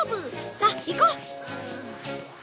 さあ行こう！